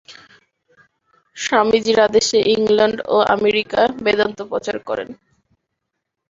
স্বামীজীর আদেশে ইংলণ্ড ও আমেরিকায় বেদান্ত প্রচার করেন।